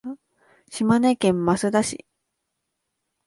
島根県益田市